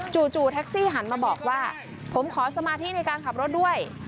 จู่แท็กซี่หันมาบอกว่าผมขอสมาธิในการขับรถด้วย